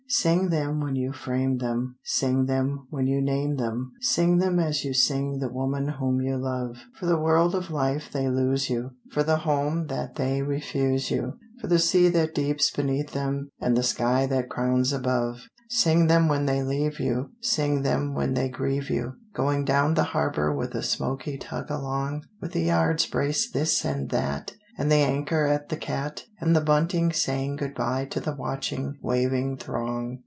Sing them when you frame them, Sing them when you name them, Sing them as you sing the woman whom you love; For the world of life they lose you, For the home that they refuse you, For the sea that deeps beneath them and the sky that crowns above. Sing them when they leave you, Sing them when they grieve you, Going down the harbor with a smoky tug along; With the yards braced this and that, And the anchor at the cat, And the bunting saying good bye to the watching, waving throng.